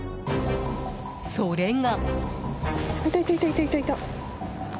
それが。